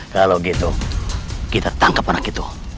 kalau gitu kita tangkap anak itu